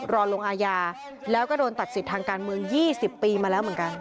รอลงอาญาแล้วก็โดนตัดสิทธิ์ทางการเมือง๒๐ปีมาแล้วเหมือนกัน